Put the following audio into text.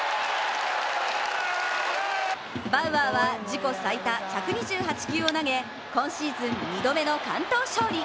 バウアーは自己最多１２８球を投げ今シーズン２度目の完投勝利。